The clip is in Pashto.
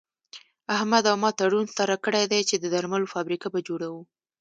احمد او ما تړون سره کړی دی چې د درملو فابريکه به جوړوو.